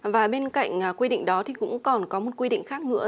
và bên cạnh quy định đó thì cũng còn có một quy định khác nữa